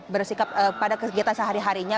bersikap pada kegiatan sehari harinya